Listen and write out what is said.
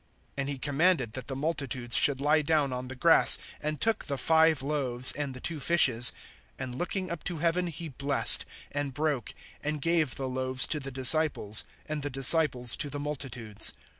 (19)And he commanded that the multitudes should lie down on the grass, and took the five loaves and the two fishes, and looking up to heaven he blessed, and broke, and gave the loaves to the disciples, and the disciples to the multitudes.